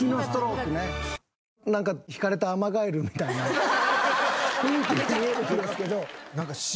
なんか轢かれたアマガエルみたいな雰囲気に見えるんですけど。